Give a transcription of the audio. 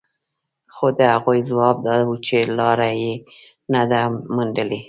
خو د هغوی ځواب دا و چې لاره يې نه ده موندلې.